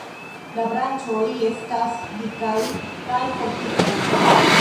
La branĉoj estas dikaj kaj fortikaj.